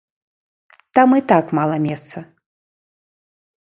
Там і так мала месца.